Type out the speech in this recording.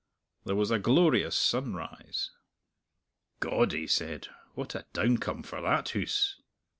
There was a glorious sunrise. "God!" he said, "what a downcome for that hoose!"